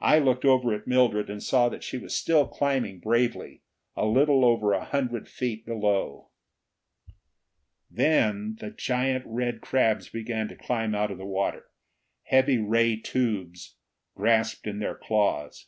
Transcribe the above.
I looked over at Mildred and saw that she was still climbing bravely, a little over a hundred feet below. Then the great red crabs began to climb out of the water, heat ray tubes grasped in their claws.